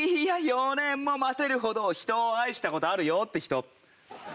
いや４年も待てるほど人を愛した事あるよって人？